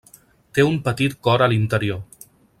Té un petit cor a l'interior.